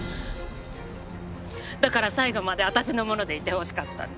だから最後まで私のものでいてほしかったんです。